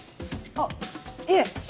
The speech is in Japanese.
あっいえ。